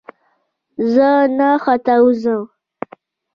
زه نه ختاوزم !